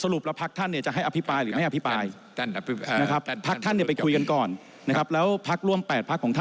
เลยประเด็นเรื่องการชี้หน้าแล้วก็โอ้โห